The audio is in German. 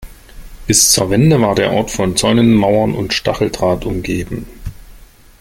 Bis zur Wende war der Ort von Zäunen, Mauern und Stacheldraht umgeben.